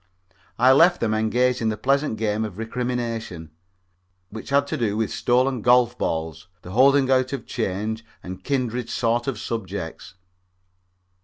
I left them engaged in the pleasant game of recrimination, which had to do with stolen golf balls, the holding out of change and kindred sordid subjects.